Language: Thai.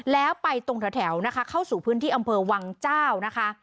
แล้วไปตรงแถวนะคะเข้าสู่พื้นที่อำเภอวังเจ้านะคะ